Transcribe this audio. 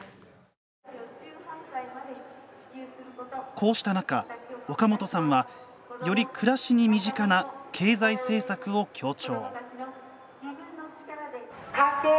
こうした中、岡本さんはより暮らしに身近な経済政策を強調。